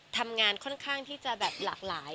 ทำงานค่อนข้างที่จะแบบหลากหลาย